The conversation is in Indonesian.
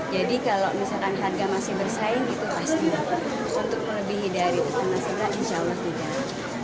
jadi kalau misalkan harga masih bersaing itu pasti untuk melebihi dari utama seberang insya allah tidak